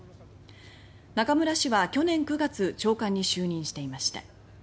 中村氏は去年９月長官に就任していました。